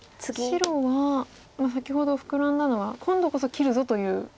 白は先ほどフクラんだのは今度こそ切るぞという。